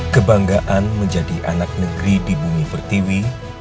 kebanggaan menjadi anak negeri di bumi pertiwi